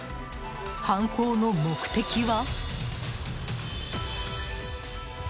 犯行の目的は？